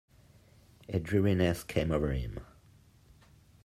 A dreariness came over him.